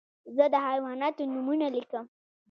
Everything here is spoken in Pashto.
زه د حیواناتو نومونه لیکم.